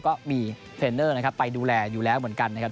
ก็มีเทรนเนอร์นะครับไปดูแลอยู่แล้วเหมือนกันนะครับ